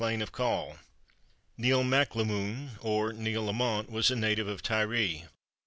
an of Coll. Niall MacLaomuinn, or Neil Lamont, was a native of Tiree.